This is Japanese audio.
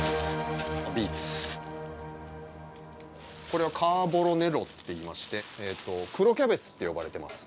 これはカーボロネロっていいまして黒キャベツって呼ばれてます